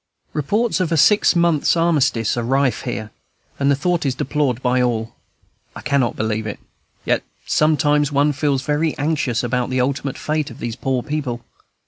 Reports of a six months' armistice are rife here, and the thought is deplored by all. I cannot believe it; yet sometimes one feels very anxious about the ultimate fate of these poor people.